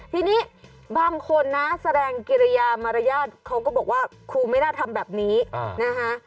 ทีนี้บางคนนะแสดงกิริยามารยาทเขาก็บอกว่าครูไม่น่าทำแบบนี้นะคะ